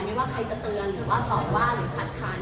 ไม่ว่าใครจะเตือนหรือว่าต่อว่าหรือคัดค้าน